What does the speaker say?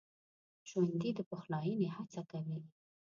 ژوندي د پخلاينې هڅه کوي